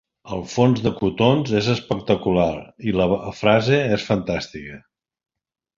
El fons de cotons és espectacular i la frase és fantàstica.